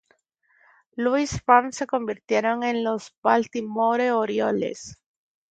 Louis Browns se convirtieron en los Baltimore Orioles.